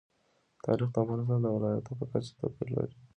تاریخ د افغانستان د ولایاتو په کچه توپیر لري.